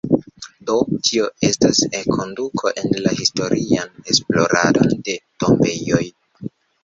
Do, tio estas enkonduko en la historian esploradon de tombejoj.